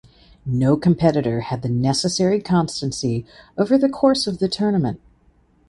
No competitor had the necessary constancy over the course of the tournament.